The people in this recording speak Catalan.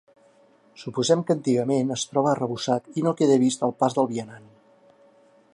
Suposem que antigament es troba arrebossat i no queda vist al pas del vianant.